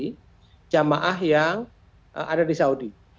mereka bisa mengangkat kembali jemaah yang ada di saudi